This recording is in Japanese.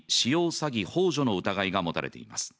詐欺幇助の疑いが持たれています。